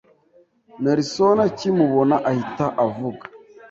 Nelson akimubona ahita avuga,